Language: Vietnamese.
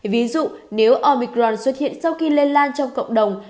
ví dụ nếu obicron xuất hiện sau khi lây lan trong cộng đồng